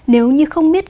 nếu như không biết